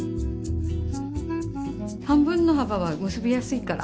半分の幅は結びやすいから。